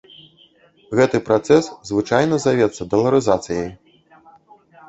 Гэты працэс звычайна завецца даларызацыяй.